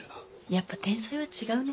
やっぱ天才は違うね。